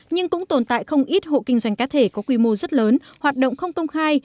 nhưng cũng tồn tại không ít hộ kinh doanh cá thể có quy mô rất lớn hoạt động không công khai